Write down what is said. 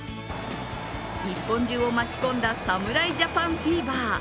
日本中を巻き込んだ侍ジャパンフィーバー。